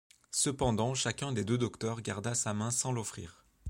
Cependant chacun des deux docteurs garda sa main sans l’offrir.